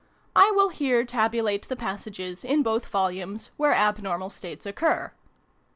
I will here tabulate the passages, in both Volumes, where abnormal states occur.